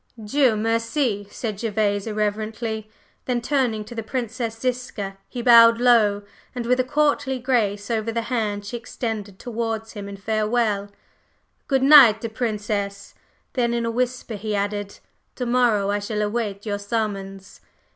"Dieu merci!" said Gervase, irreverently; then turning to the Princess Ziska, he bowed low and with a courtly grace over the hand she extended towards him in farewell. "Good night, Princess!" then in a whisper he added: "To morrow I shall await your summons."